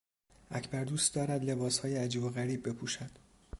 اکبر دوست دارد لباسهای عجیب و غریب بپوشد.